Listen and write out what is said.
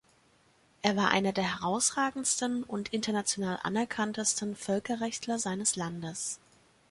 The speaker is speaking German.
Er war einer der herausragendsten und international anerkanntesten Völkerrechtler seines Landes.